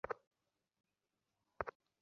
কোনো মানেই নেই এসবের!